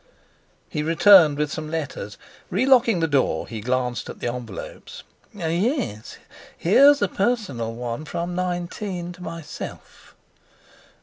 He returned with some letters. Relocking the door, he glanced at the envelopes. "Yes, here's a personal one from 19 to myself."